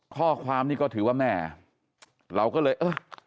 ข้อความนี้ก็ถือว่าแม่เราก็เลยเออ